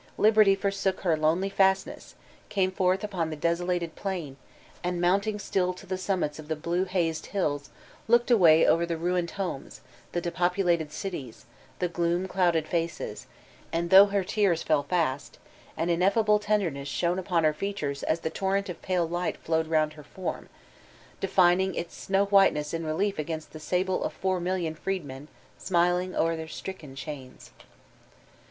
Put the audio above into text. Liberty forsook her kmely f astness, came forth upon the desolated plain, and moimt ing still to the summits of the blue hazed hills looked away over the ruined homes, the depopulated cities, the gloom clouded faces, and though her tears fell fast, an ineffable tenderness shone upon her features as the tor rent of pale light flowed round her form, definiog its snow whiteness in relief against the sable of four mOIion f reedmen smiling o'er their stricken chains.